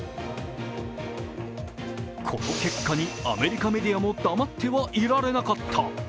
この結果に、アメリカメディアも黙っていなかった。